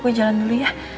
gue jalan dulu ya